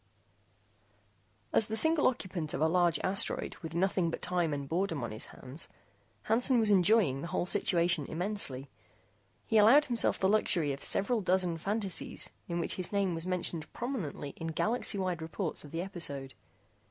As the single occupant of a large asteroid with nothing but time and boredom on his hands, Hansen was enjoying the whole situation immensely. He allowed himself the luxury of several dozen fantasies in which his name was mentioned prominently in galaxy wide reports of the episode.